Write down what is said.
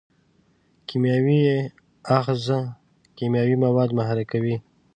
کیمیاوي آخذه کیمیاوي مواد محرک کوي.